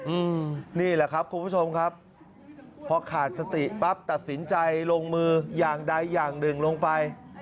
อืมนี่แหละครับคุณผู้ชมครับพอขาดสติปั๊บตัดสินใจลงมืออย่างใดอย่างหนึ่งลงไป